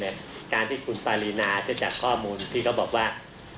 งั้นของที่คุณพอรินาที่จัดข้อมูลที่เบาบอกว่า